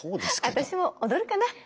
私も踊るかな！